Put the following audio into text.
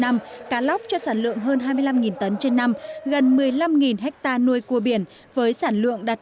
cá lóc cho sản lượng hơn hai mươi năm tấn trên năm gần một mươi năm ha nuôi cua biển với sản lượng đạt